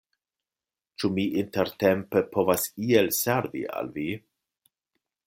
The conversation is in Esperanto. Ĉu mi intertempe povas iel servi al vi?